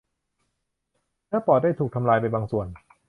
เนื้อปอดได้ถูกทำลายไปบางส่วน